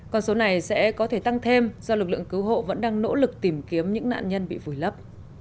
còn số này sẽ có thể tăng thêm do lực lượng cứu hộ vẫn đang nỗ lực tìm kiếm những nạn nhân bị vùi lấp